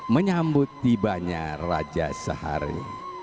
menyambut tibanya raja sehari